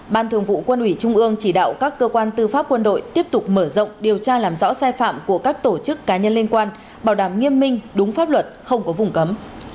ban thường vụ quân ủy trung ương chỉ đạo các cơ quan tư pháp quân đội tiếp tục mở rộng điều tra làm rõ sai phạm của các tổ chức cá nhân liên quan bảo đảm nghiêm minh đúng pháp luật không có vùng cấm